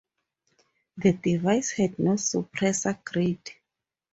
The device had no suppressor grid.